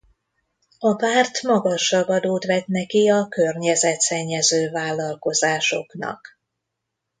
A párt magasabb adót vetne ki a környezetszennyező vállalkozásoknak.